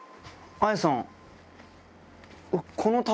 綾さん。